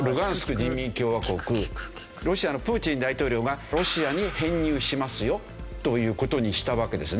共和国ロシアのプーチン大統領がロシアに編入しますよという事にしたわけですね。